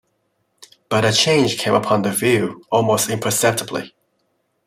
But a change came upon the view, almost imperceptibly.